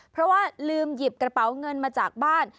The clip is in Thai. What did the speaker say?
เพราะว่าลืมหยิบกระเป๋าเงินมาจากบ้าน